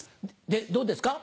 でどうですか？